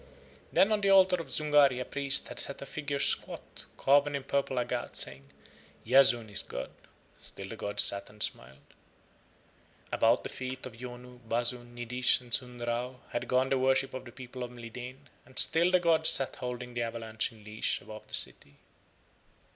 Then on the altar of Zungari a priest had set a figure squat, carven in purple agate, saying: "Yazun is god." Still the gods sat and smiled. [Illustration: "Yazun is god."] About the feet of Yonu, Bazun, Nidish and Sundrao had gone the worship of the people of Mlideen, and still the gods sat holding the avalanche in leash above the city.